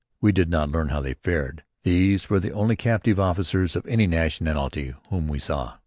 We did not learn how they fared. These were the only captive officers of any nationality whom we saw.